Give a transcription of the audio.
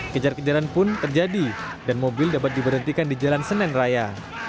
kejar kejaran pun terjadi dan mobil dapat diberhentikan di jalan senen raya